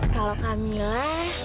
kalau kak mila